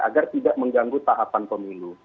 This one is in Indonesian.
agar tidak mengganggu tahapan pemilu